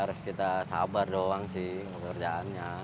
harus kita sabar doang sih pekerjaannya